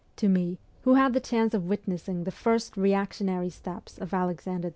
To me, who had the chance of witnessing the first re actionary steps of Alexander II.